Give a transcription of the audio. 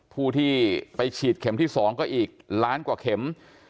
ผู้ที่ไปฉีดเข็มที่๒ก็อีกล้านกว่าเข็ม